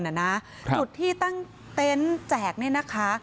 จุดที่ตั้งเต็นต์แจกเนี่ยนะคะ